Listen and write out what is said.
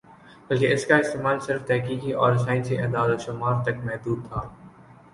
بلکہ اس کا استعمال صرف تحقیقی اور سائنسی اعداد و شمار تک محدود تھا